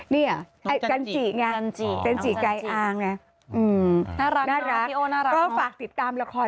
นี่ใครเนี่ย